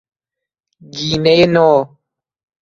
گینه نو